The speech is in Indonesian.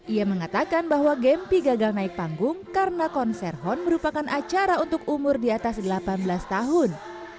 ia mengatakan bahwa gempi gagal naik panggung karena konser hon merupakan acara untuk umur di atas delapan belas tahun